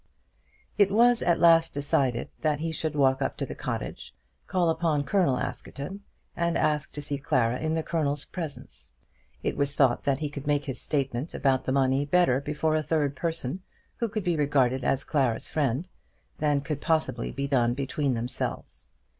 It was at last decided that he should walk up to the cottage, call upon Colonel Askerton, and ask to see Clara in the Colonel's presence. It was thought that he could make his statement about the money better before a third person who could be regarded as Clara's friend, than could possibly be done between themselves.